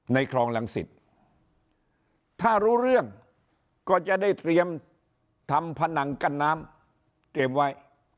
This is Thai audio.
คลองรังสิตถ้ารู้เรื่องก็จะได้เตรียมทำผนังกั้นน้ำเตรียมไว้